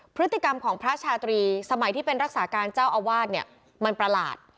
พฤติกรรมของพระชาตรีสมัยที่เป็นรักษาการเจ้าอาวาสเนี่ยมันประหลาด